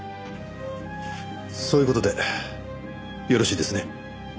そういう事でよろしいですね？